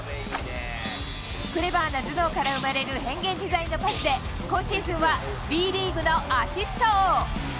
クレバーな頭脳から生まれる変幻自在のパスで、今シーズンはＢリーグのアシスト王。